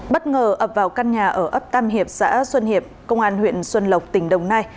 bất ngờ ập vào căn nhà ở ấp tam hiệp xã xuân hiệp công an huyện xuân lộc tỉnh đồng nai